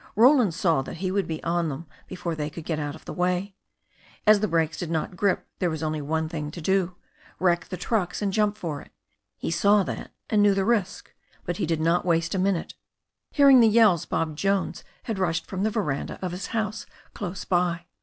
Roland saw that he would be on them before they could get out of the way. As the brakes did not grip, there was only time to do one thing — wreck the trucks and jump for it. He saw that, and knew the risk. But he did not waste a minute. Hearing the yells. Bob Jones had rushed from the veranda of his house close by.